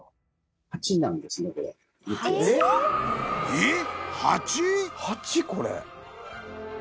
［えっ！？］